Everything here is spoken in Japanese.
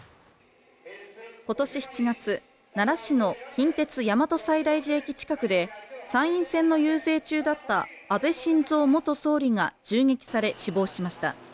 今年７月、奈良市の近鉄大和西大寺駅近くで参院選の遊説中だった安倍晋三元総理が銃撃され、死亡しました。